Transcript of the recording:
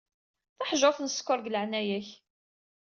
Taḥjurt n sskeṛ, deg leɛnaya-k.